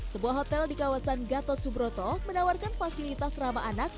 sebuah hotel di kawasan gatot subroto menawarkan fasilitas ramah anak